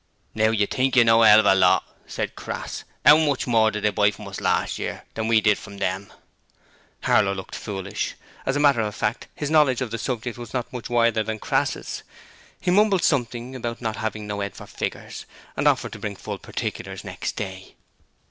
'Now you think you know a 'ell of a lot,' said Crass. ''Ow much more did they buy from us last year, than we did from them?' Harlow looked foolish: as a matter of fact his knowledge of the subject was not much wider than Crass's. He mumbled something about not having no 'ed for figures, and offered to bring full particulars next day.